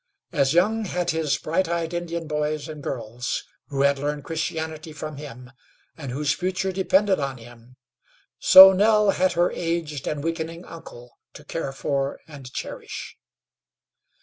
As Young had his bright eyed Indian boys and girls, who had learned Christianity from him, and whose future depended on him, so Nell had her aged and weakening uncle to care for and cherish.